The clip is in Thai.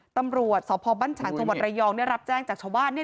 ตำรวจสบั้นชางขตรงบระยองเนี่ยรับแจ้งจากชาวบ้านเนี่ย